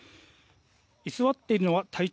居座っているのは体長